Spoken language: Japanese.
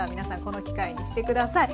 この機会にして下さい。